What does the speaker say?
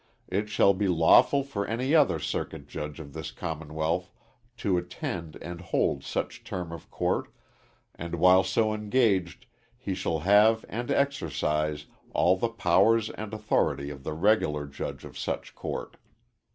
it shall be lawful for any other circuit judge of this Commonwealth to attend and hold such term of court, and while so engaged he shall have and exercise all the powers and authority of the regular judge of such court."